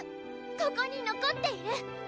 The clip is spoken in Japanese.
ここに残っている。